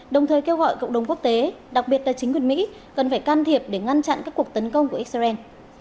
đồng thời kêu gọi cộng đồng quốc tế đặc biệt là chính quyền mỹ cần phải can thiệp để ngăn chặn các cuộc tấn công của israel